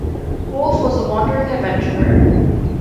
"Wolfe" was a wandering adventurer.